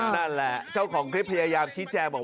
นั่นแหละเจ้าของพิพยายามชิคแจบอกว่า